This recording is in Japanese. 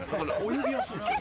泳ぎやすいっすよ